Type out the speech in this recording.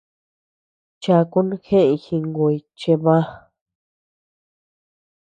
Chakun jeʼëñ jinguy chebä.